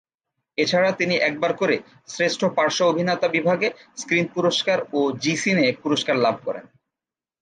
এছাড়া তিনি একবার করে শ্রেষ্ঠ পার্শ্ব অভিনেতা বিভাগে স্ক্রিন পুরস্কার ও জি সিনে পুরস্কার লাভ করেন।